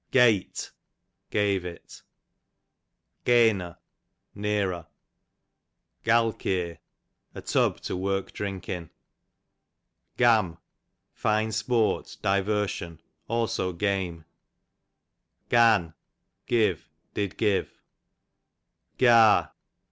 Gaight, gave it. Gainer, nearer. Galkeer, a tub to work drink in. Gam, fine sport, diversion, also game. Gan, give, did give.